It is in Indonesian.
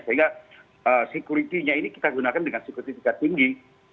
sehingga security nya ini kita gunakan dengan sekurifikasi tinggi